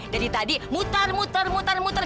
dari tadi muter muter muter muter